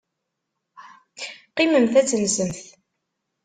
Qqimemt ad tensemt.